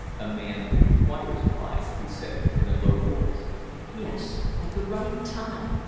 "A man requires pride," he said in a low voice. "Yes, at the right time.